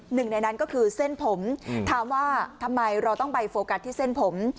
หนึ่งในนั้นก็คือเส้นผมถามว่าทำไมเราต้องไปโฟกัสที่เส้นผม